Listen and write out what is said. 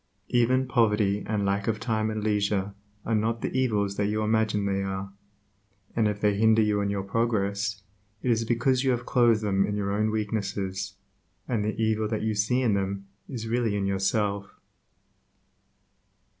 Even poverty and lack of time and leisure are not the evils that you imagine they are, and if they hinder you in your progress, it is because you have clothed them in your own weaknesses, and the evil that you see in them is really in yourself.